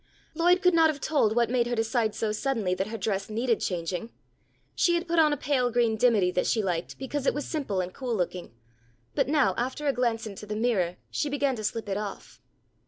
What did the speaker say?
Lloyd could not have told what had made her decide so suddenly that her dress needed changing. She had put on a pale green dimity that she liked because it was simple and cool looking, but now after a glance into the mirror she began to slip it off.